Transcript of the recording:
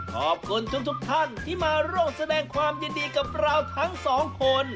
ขอบคุณทุกท่านที่มาร่วมแสดงความยินดีกับเราทั้งสองคน